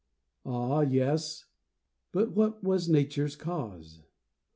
Ah, yes; but what was Nature's cause?)